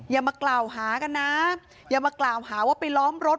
อย่ามากล่าวหากันนะอย่ามากล่าวหาว่าไปล้อมรถ